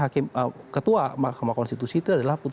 hakim ketua mahkamah konstitusi itu adalah